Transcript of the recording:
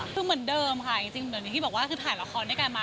คือเหมือนเดิมค่ะจริงเหมือนอย่างที่บอกว่าคือถ่ายละครด้วยกันมา